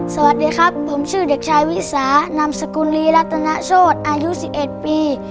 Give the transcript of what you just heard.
สวัสดีครับผมชื่อเด็กชายวิสานามสกุลลีรัตนโชธอายุ๑๑ปี